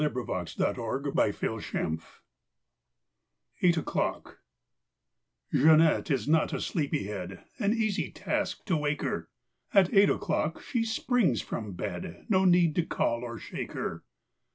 1 A PARIS PAIR A PARIS PAIR EIGHT O'CLOCK J EANETTE is not a sleepy head; An easy task, to wake her! At eight o'clock she springs from bed No need to call or shake her.